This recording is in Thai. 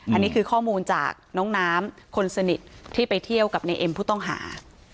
อันนี้คือข้อมูลจากน้องน้ำคนสนิทที่ไปเที่ยวกับในเอ็มผู้ต้องหา